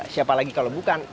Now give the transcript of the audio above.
siapa lagi kalau bukan